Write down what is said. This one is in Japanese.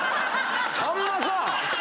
⁉さんまさん！